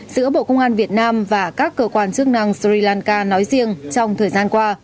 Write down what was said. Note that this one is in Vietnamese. giữa bộ công an việt nam và các cơ quan chức năng suriyanka nói riêng trong thời gian qua